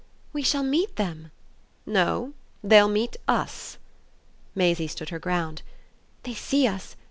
"We shall meet them!" "No. They'll meet US." Maisie stood her ground. "They see us.